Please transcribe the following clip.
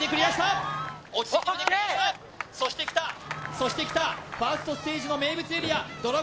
そしてきたファーストステージの名物エリア